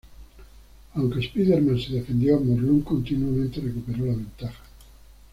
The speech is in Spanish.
Aunque Spider-Man se defendió, Morlun continuamente recuperó la ventaja.